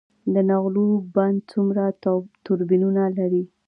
د نغلو بند څومره توربینونه لري؟